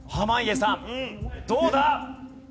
どうだ？